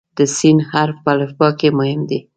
د "س" حرف په الفبا کې مهم دی.